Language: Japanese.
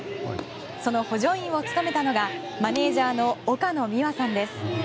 その補助員を務めたのがマネジャーの岡野美和さんです。